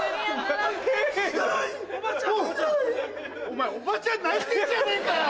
お前おばちゃん泣いてんじゃねえかよ！